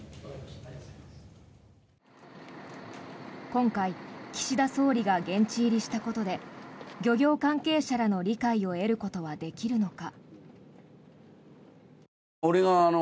今回、岸田総理が現地入りしたことで漁業関係者らの理解を得ることはできるのか。